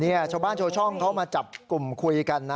นี่ชาวบ้านชาวช่องเขามาจับกลุ่มคุยกันนะ